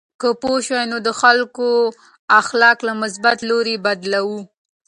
که پوه شو، نو د خلکو اخلاق له مثبت لوري بدلوو.